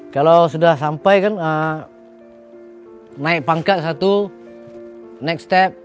kalau sudah sampai kan naik pangkat satu naik step